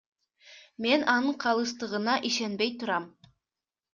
Мен анын калыстыгына ишенбей турам.